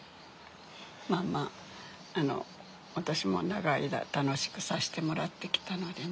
まあまあ私も長い間楽しくさしてもらってきたのでね。